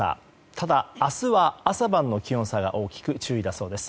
ただ、明日は朝晩の気温差が大きく注意だそうです。